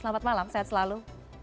selamat malam sehat selalu